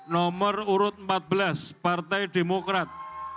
nomor urut empat belas partai demokrat